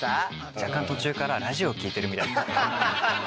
若干途中からラジオ聞いてるみたいだった。